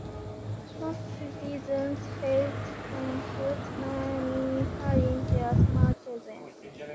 Most citizens fled on foot, many carrying their small children.